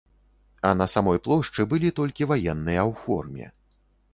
А на самой плошчы былі толькі ваенныя ў форме.